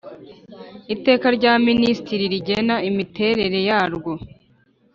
Iteka rya minisitiri rigena imiterere yarwo